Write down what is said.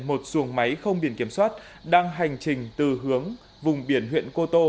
một xuồng máy không biển kiểm soát đang hành trình từ hướng vùng biển huyện cô tô